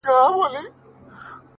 چي نور ساده راته هر څه ووايه”